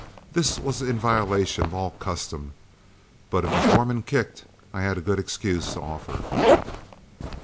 This was in violation of all custom, but if the foreman kicked, I had a good excuse to offer.